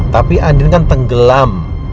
tapi andin kan tenggelam